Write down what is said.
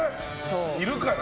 いるかな？